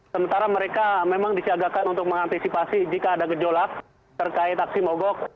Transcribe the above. sementara mereka memang disiagakan untuk mengantisipasi jika ada gejolak terkait aksi mogok